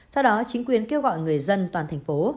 sau đó chính quyền kêu gọi người dân toàn thành phố